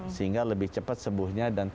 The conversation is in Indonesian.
sehingga lebih cepat sembuhnya di rumah sakit